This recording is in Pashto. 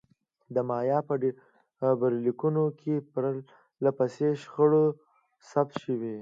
د مایا په ډبرلیکونو کې پرله پسې شخړې ثبت شوې.